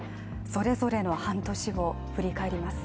それぞれの半年を振り返ります。